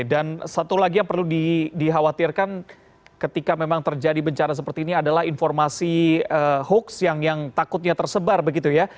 dan satu lagi yang perlu dikhawatirkan ketika memang terjadi bencana seperti ini adalah informasi hoax yang takutnya tersebar begitu ya